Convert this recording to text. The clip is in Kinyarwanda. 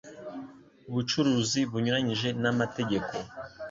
bucuruzi bunyuranyije n amategeko